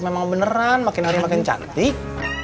memang beneran makin hari makin cantik